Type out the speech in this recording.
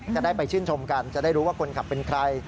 จะได้ไปชื่นชมกันจะได้รู้ว่าคนขับเป็นใคร